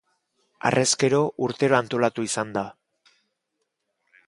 Harrezkero urtero antolatu izan da.